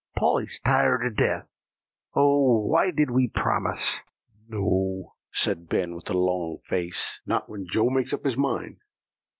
Polly's tired to death. Oh! why did we promise?" "No," said Ben with a long face, "not when Joe makes up his mind.